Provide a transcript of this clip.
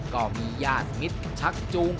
ก็มีญาติมิตรชักจูง